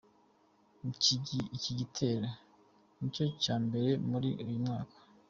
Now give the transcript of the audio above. Iki gitero nicyo cya mbere muri uyu mwaka.